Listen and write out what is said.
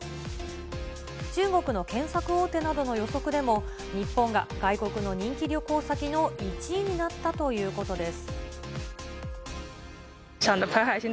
中国の検索大手などの予測でも、日本が外国の人気旅行先の１位になったということです。